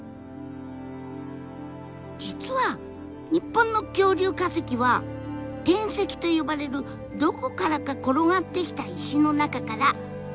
実は日本の恐竜化石は転石と呼ばれるどこからか転がってきた石の中から見つかることがほとんど。